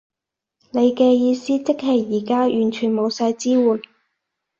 你嘅意思即係而家完全冇晒支援？